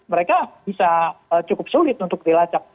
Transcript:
mereka bisa cukup sulit untuk dilacak